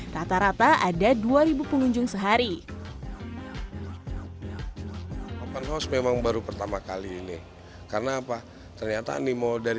rata rata ada dua pengunjung sehari